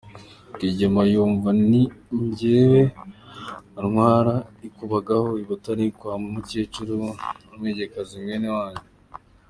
Rwigema yumva ni jyewe antwara ikubagahu I Butare kwa wa mukecuru, umwegakazi mwene wanyu.